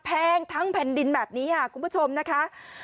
แพงทั้งแผ่นดินแบบนี้ค่ะคุณผู้ชมนะคะ